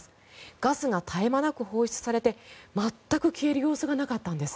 ガスが絶え間なく放出され続け全く消える様子がなかったんです。